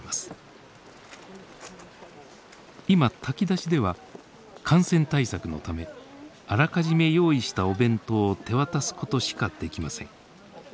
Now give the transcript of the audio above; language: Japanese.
今炊き出しでは感染対策のためあらかじめ用意したお弁当を手渡すことしかできません。